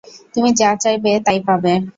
তুমি যা চাইবে তাই পাবে।